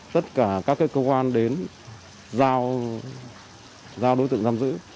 tất cả các cơ quan đến giao đối tượng giam giữ